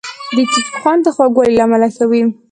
د کیک خوند د خوږوالي له امله ښه وي.